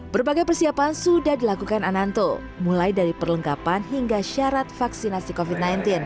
berbagai persiapan sudah dilakukan ananto mulai dari perlengkapan hingga syarat vaksinasi covid sembilan belas